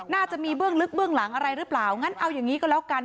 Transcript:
น่าจะมีเบื้องลึกเบื้องหลังอะไรหรือเปล่างั้นเอาอย่างนี้ก็แล้วกัน